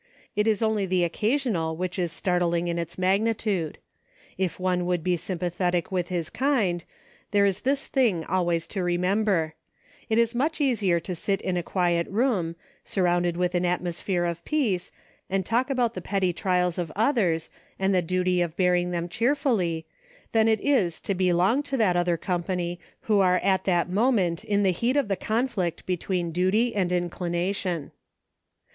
It is only the occasional which is startling in its magnitude. If one would be sym pathetic with his kind, there is this thing always to remember : it is much easier to sit in a quiet room, surrounded with an atmosphere of peace, and talk about the petty trials of others, and the duty of bearing them cheerfully, than it is to be long to that other company who are at that mo ment in the heat of the conflict between duty and inclination.